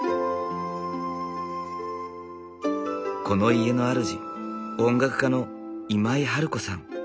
この家のあるじ音楽家の今井春子さん。